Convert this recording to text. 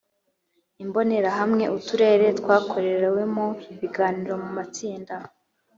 imbonerahamwe uturere twakorewemo ibiganiro mu matsinda